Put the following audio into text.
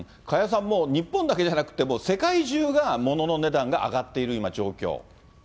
加谷さん、もう日本だけじゃなくて、もう世界中が物の値段が上がっている今、状況。